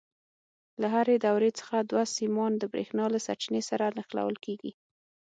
له هرې دورې څخه دوه سیمان د برېښنا له سرچینې سره نښلول کېږي.